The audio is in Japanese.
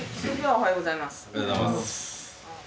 おはようございます。